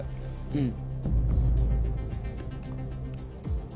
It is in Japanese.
うん。